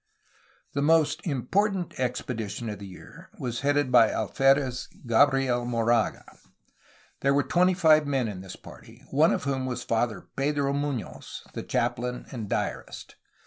The most important expedition of the year was headed by Alferez Gabriel Moraga. There were twenty five men in this party, one of whom was Father Pedro Munoz, the chap lain and diarist.